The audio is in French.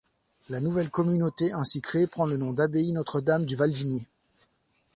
La nouvelle communauté ainsi créée prend le nom d'Abbaye Notre Dame du Val d'Igny.